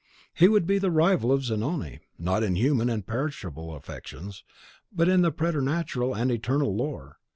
He would be the rival of Zanoni, not in human and perishable affections, but in preternatural and eternal lore.